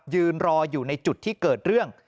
ยืนรออยู่ในจุดที่เกิดเรื่อง